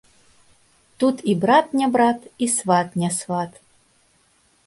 Тут і брат не брат і сват не сват.